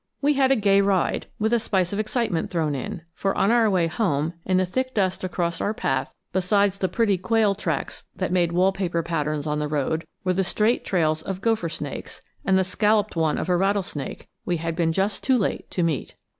We had a gay ride, with a spice of excitement thrown in; for on our way home, in the thick dust across our path, besides the pretty quail tracks that made wall paper patterns on the road, were the straight trails of gopher snakes, and the scalloped one of a rattlesnake we had been just too late to meet.